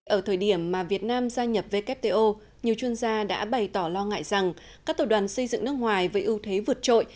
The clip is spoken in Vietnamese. ở thời điểm mà việt nam gia nhập wto nhiều chuyên gia đã bày tỏ lo ngại rằng các tổ đoàn xây dựng nước ngoài với ưu thế vượt trội